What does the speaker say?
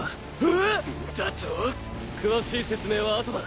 え⁉んだと⁉詳しい説明は後だ